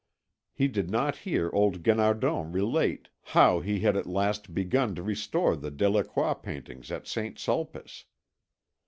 He did not hear old Guinardon relate how he had at last begun to restore the Delacroix paintings at St. Sulpice.